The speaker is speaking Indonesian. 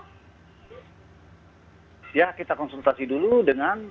tetapi tentunya bapak dan keluarga artinya tidak akan berhenti di sini ya dengan keputusan ini pak